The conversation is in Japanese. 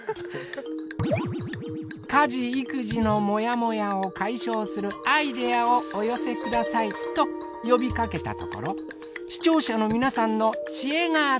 家事育児のもやもやを解消するアイデアをお寄せくださいと呼びかけたところ視聴者の皆さんのチエが集まりました。